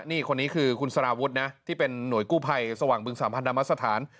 นี่คนนี้คือคุณสารวุฒินะที่เป็นหน่วยกู้ภัยสว่างบึงสามพันธรรมสถาน